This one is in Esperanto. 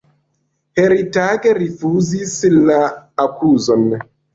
Heritage rifuzis la akuzon.